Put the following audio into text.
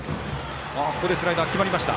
スライダー決まりました。